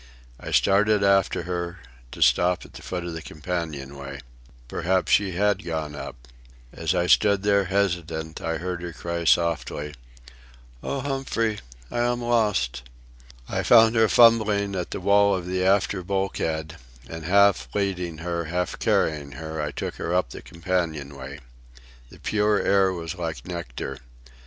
I started after her, to stop at the foot of the companion way. Perhaps she had gone up. As I stood there, hesitant, I heard her cry softly: "Oh, Humphrey, I am lost." I found her fumbling at the wall of the after bulkhead, and, half leading her, half carrying her, I took her up the companion way. The pure air was like nectar.